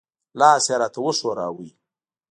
لاس یې را ته وښوراوه.